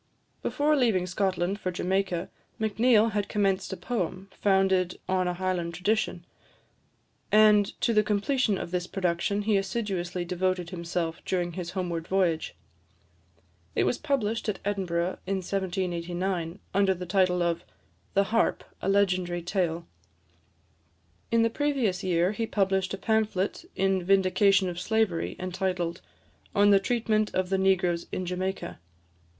Before leaving Scotland for Jamaica, Macneill had commenced a poem, founded on a Highland tradition; and to the completion of this production he assiduously devoted himself during his homeward voyage. It was published at Edinburgh in 1789, under the title of "The Harp, a Legendary Tale." In the previous year, he published a pamphlet in vindication of slavery, entitled, "On the Treatment of the Negroes in Jamaica."